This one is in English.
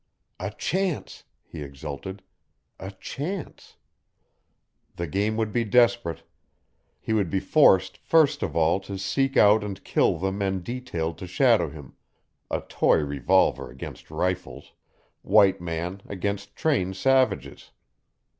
"A chance!" he exulted: "a chance!" The game would be desperate. He would be forced first of all to seek out and kill the men detailed to shadow him a toy revolver against rifles; white man against trained savages.